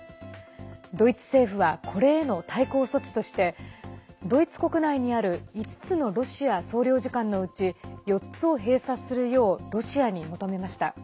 ドイツ政府はこれへの対抗措置としてドイツ国内にある５つのロシア総領事館のうち４つを閉鎖するようロシアに求めました。